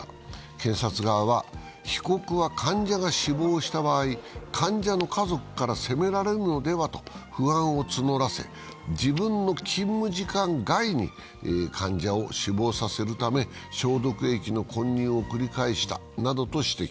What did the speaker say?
検察側は、被告は患者が死亡した場合、患者の家族から責められるのではと不安を募らせ自分の勤務時間外に患者を死亡させるため、消毒液の混入を繰り返したなどと指摘。